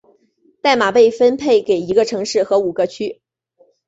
代码被分配给一个城市和五个区。